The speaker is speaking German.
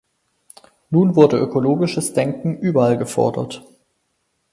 Nun wurde ökologisches Denken überall gefordert.